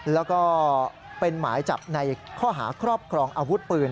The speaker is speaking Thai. แล้วก็เป็นหมายจับในข้อหาครอบครองอาวุธปืน